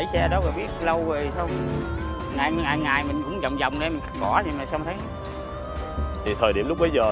và đặc biệt là anh xe ôm ảnh đã nhận dạng được khuôn mặt và nhận diện được độ tuổi